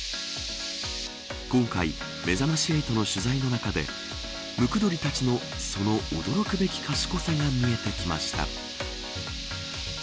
今回、めざまし８の取材の中でムクドリたちのその驚くべき賢さが見えてきました。